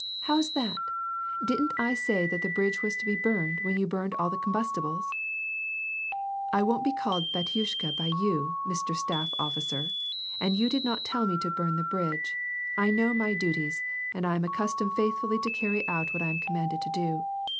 " How's that ? Didn't I say that the bridge was to be burned, when you burned all the combustibles ?" "I won't be called batyushka by you, Mister Staff Officer, and you did not tell me to burn the bridge. 1 know my duties, and I am accustomed faithfully to carry out what I am com manded to do.